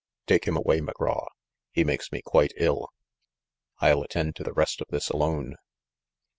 Take him away, McGraw. He makes me quite ill. I'll attend to the rest of this alone."